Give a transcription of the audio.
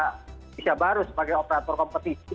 tidak bisa baru sebagai operator kompetisi